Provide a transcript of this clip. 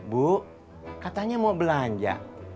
bu katanya mau belanja